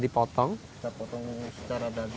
kita potong secara dagu